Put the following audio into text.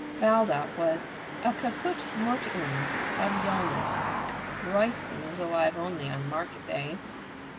Baldock was a caput mortuum of dulness. Royston was alive only on market days.